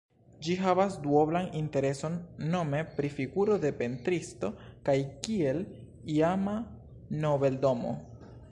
Ĝi havas duoblan intereson, nome pri figuro de pentristo kaj kiel iama nobeldomo.